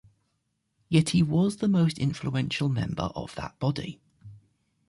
Yet he was the most influential member of that body.